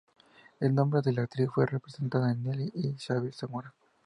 El nombre de la actriz que representa a Nelly es Ysabel Zamora.